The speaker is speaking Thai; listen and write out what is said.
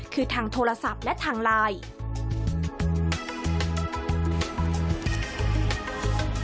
คือทางโทรศัพท์และทางไลน์